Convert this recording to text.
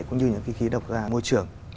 cũng như những cái khí độc ra môi trường